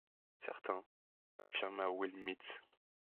Certains, affirma Will Mitz.